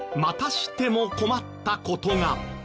しても困った事が。